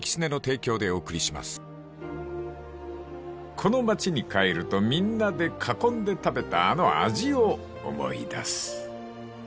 ［この町に帰るとみんなで囲んで食べたあの味を思い出す］